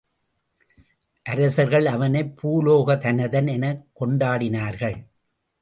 அரசர்கள் அவனைப் பூலோக தனதன் எனக் கொண்டாடினர்கள்.